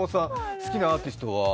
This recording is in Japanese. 好きなアーティストは？